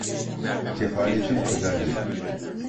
Kefaletin ödendi.